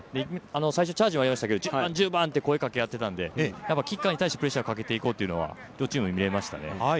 最初チャージありましたけれども、声をかけ合ってたので、キッカーに対してプレッシャーをかけようというのは両チームに見れましたね。